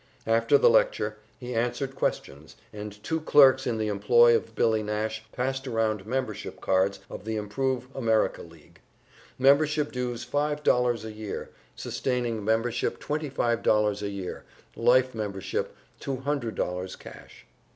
After the lecture he answered questions, and two clerks in the employ of Billy Nash passed around membership cards of the "Improve America League," membership dues five dollars a year, sustaining membership twenty five dollars a year, life membership two hundred dollars cash.